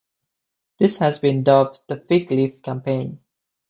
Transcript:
This has been dubbed the "fig leaf campaign".